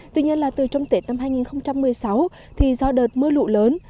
tuy nhiên là từ trong tuyệt năm hai nghìn một mươi sáu thì do đợt mưa lụ lớn